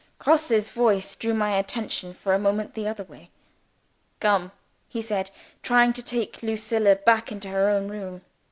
Grosse's voice drew my attention, for a moment, the other way. "Come!" he said, trying to take Lucilla back into her own room.